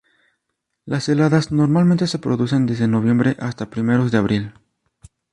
Las heladas, normalmente se producen desde noviembre hasta primeros de abril.